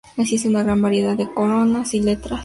Existe una gran variedad de coronas y letras.